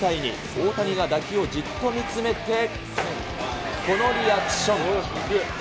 大谷が打球をじっと見つめて、このリアクション。